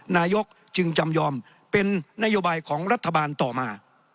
นายกจึงจำยอมเป็นนโยบายของรัฐบาลต่อมา